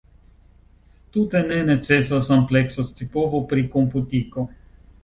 Tute ne necesas ampleksa scipovo pri komputiko.